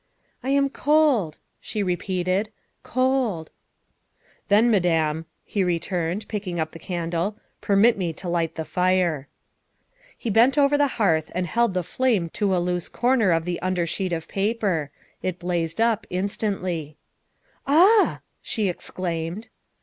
'' I am cold, '' she repeated, '' cold. '' 308 THE WIFE OF " Then, Madame," he returned, picking up the can dle, " permit me to light the fire." He bent over the hearth and held the flame to a loose corner of the under sheet of paper; it blazed up instantly. "Ah!" she exclaimed.